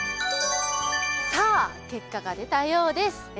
結果が出たようです。